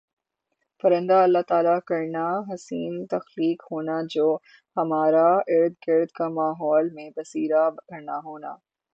پرندہ اللہ تعالی کرنا حسین تخلیق ہونا جو ہمارہ ارد گرد کا ماحول میں بسیرا کرنا ہونا